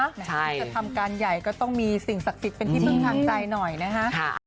ไหนที่จะทำการใหญ่ก็ต้องมีสิ่งศักดิ์สิทธิ์เป็นที่พึ่งทางใจหน่อยนะคะ